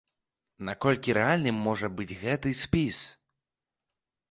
Наколькі рэальным можа быць гэты спіс?